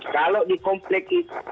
kalau dikomplek itu